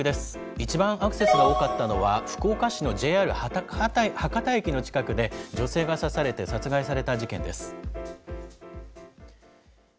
一番アクセスが多かったのは、福岡市のＪＲ博多駅の近くで、女性が刺されて殺害された事件です。